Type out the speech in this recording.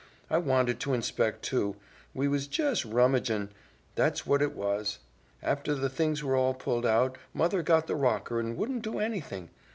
I wanted to inspect, too. We was jes' rummagin' that's what it was. After the things were all pulled out, mother got the rocker and wouldn't do anything.